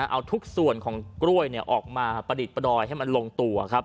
เอาทุกส่วนของกล้วยออกมาประดิษฐ์ประดอยให้มันลงตัวครับ